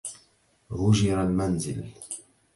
هُجر المنزل.